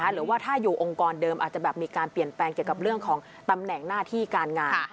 หรือว่าถ้าอยู่องค์กรเดิมอาจจะแบบมีการเปลี่ยนแปลงเกี่ยวกับเรื่องของตำแหน่งหน้าที่การงาน